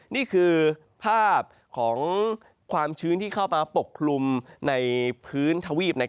นี่คือภาพของความชื้นที่เข้ามาปกคลุมในพื้นทวีป